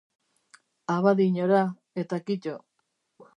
Abadiñora, eta kito.